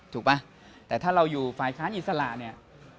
ป่ะแต่ถ้าเราอยู่ฝ่ายค้านอิสระเนี่ย